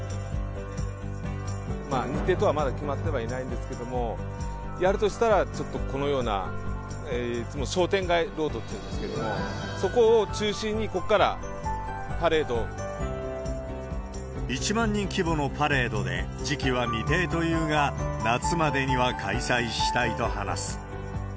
日程等はまだ決まっていないんですけれども、やるとしたら、ちょっと、このような、いつも商店街ロードっていうんですけど、そこを中心に、ここから１万人規模のパレードで、時期は未定というが、夏までには開催したいと話す。